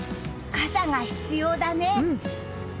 傘が必要だね。